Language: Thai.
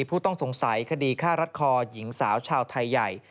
ผู้ต้องสงสัยคดีฆ่ารัดคอหญิงสาวชาวไทยใหญ่